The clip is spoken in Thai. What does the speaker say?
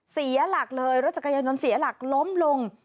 เสียหลักเลยรถจักรยานยนต์เสียหลักล้มลง